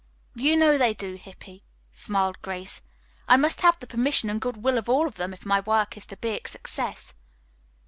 "You know they do, Hippy," smiled Grace. "I must have the permission and good will of all of them if my work is to be a success."